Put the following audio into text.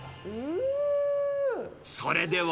それでは。